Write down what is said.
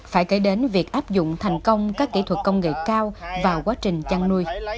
phải kể đến việc áp dụng thành công các kỹ thuật công nghệ cao vào quá trình chăn nuôi